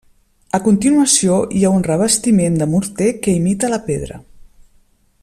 A continuació hi ha un revestiment de morter que imita la pedra.